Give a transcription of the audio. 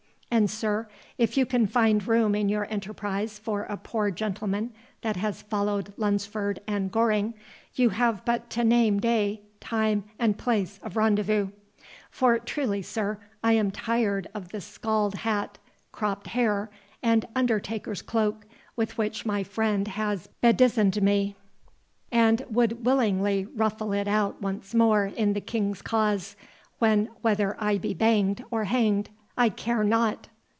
—And, sir, if you can find room in your enterprise for a poor gentleman that has followed Lunsford and Goring, you have but to name day, time, and place of rendezvous; for truly, sir, I am tired of the scald hat, cropped hair, and undertaker's cloak, with which my friend has bedizened me, and would willingly ruffle it out once more in the King's cause, when whether I be banged or hanged, I care not."